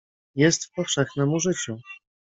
"Jest w powszechnem użyciu."